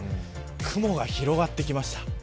雲が広がってきました。